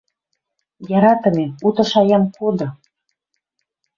«Яратымем, уты шаям коды